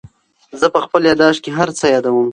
زه په خپل یادښت کې هر څه یادوم.